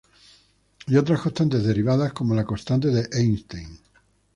Y otras constantes derivadas como la constante de Einstein.